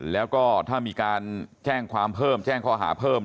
แล้วก็ถ้ามีการแจ้งข้อหาเพิ่ม